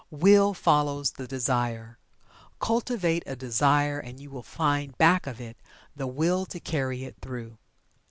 Will follows the Desire. Cultivate a Desire and you will find back of it the Will to carry it through.